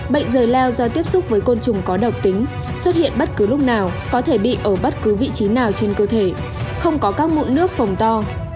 bệnh rời lao do tiếp xúc với côn trùng có độc tính xuất hiện bất cứ lúc nào có thể bị ở bất cứ vị trí nào trên cơ thể không có các mụn nước phòng to